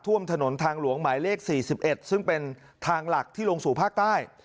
ท่วมถนนทางหลวงหมายเลข๔๑ซึ่งเป็นทางหลักที่ลงสู่ภาคใต้